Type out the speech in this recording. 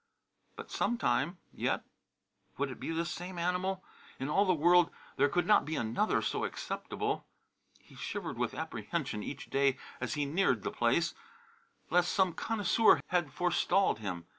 But some time yet, would it be this same animal? In all the world there could not be another so acceptable. He shivered with apprehension each day as he neared the place, lest some connoisseur had forestalled him.